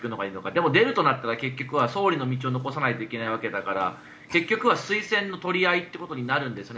でも、出るとなったら結局は総理の道を残さないといけないわけだから推薦の取り合いってことになるんですね。